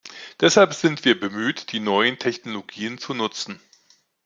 Deshalb sind wir bemüht, die neuen Technologien zu nutzen.